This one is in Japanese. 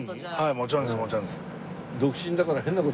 もちろんです。